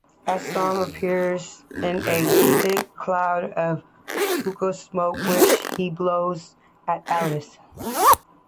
Absolem appears in a thick cloud of hookah smoke, which he blows at Alice.